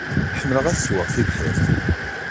Ḥemmleɣ ad ssweɣ tibḥirt.